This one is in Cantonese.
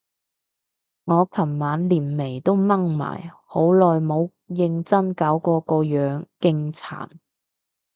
我尋晚連眉都掹埋，好耐冇認真搞過個樣，勁殘